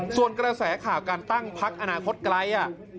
ส่วนกระแสข่าวการตั้งพักอนาคตไกล